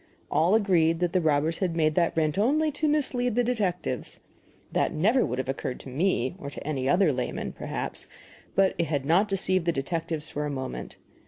All agreed that the robbers had made that rent only to mislead the detectives. That never would have occurred to me or to any other layman, perhaps, but it had not deceived the detectives for a moment.